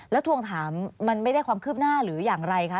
แล้วทวงถามมันไม่ได้ความคืบหน้าหรืออย่างไรคะ